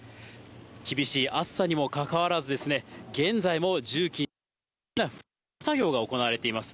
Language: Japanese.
厳しい暑さにもかかわらず、現在も重機、復旧作業が行われています。